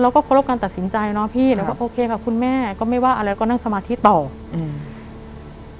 ก็เคารพการตัดสินใจเนาะพี่แล้วก็โอเคกับคุณแม่ก็ไม่ว่าอะไรก็นั่งสมาธิต่ออืม